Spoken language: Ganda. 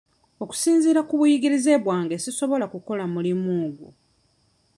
Okusinziira ku buyigirize bwange sisobola kukola mulimu ogwo.